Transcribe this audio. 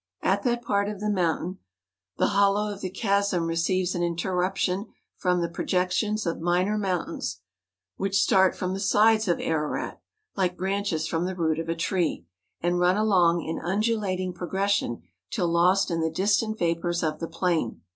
At that part of the mountain, the hollow of the chasm re¬ ceives an interruption from the projections of minor mountains, which start from the sides of Ararat, like branches from the root of a tree, and run along in undulating progression till lost in the distant vapours of the plain.